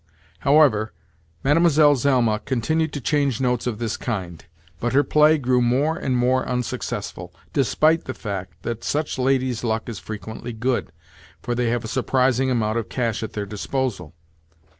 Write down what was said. However, Mlle. Zelma continued to change notes of this kind, but her play grew more and more unsuccessful, despite the fact that such ladies' luck is frequently good, for they have a surprising amount of cash at their disposal.